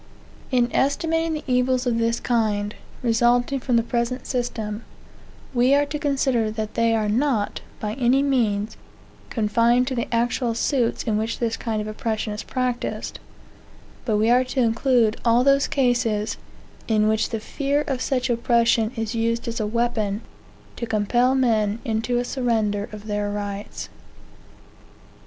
In estimating the evils of this kind, resulting from the present system, we are to consider that they are not, by any means, confined to the actual suits in which this kind of oppression is practised; but we are to include all those cases in which the fear of such oppression is used as a weapon to compel men into a surrender of their rights.